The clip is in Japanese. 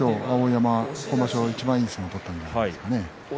今場所いちばんいい相撲を取ったんじゃないですかね。